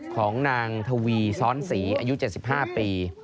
ของนางทวีซ้อนศรีอายุ๗๕ปี